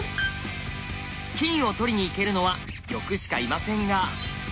金を取りにいけるのは玉しかいませんが。